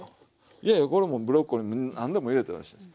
いやいやこれもうブロッコリー何でも入れたらよろしいです。